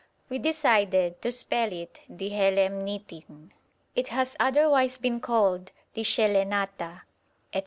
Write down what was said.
We decided to spell it Dihelemnitin. It has otherwise been called Dishelenata, &c.